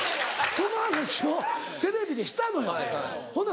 その話をテレビでしたのよほな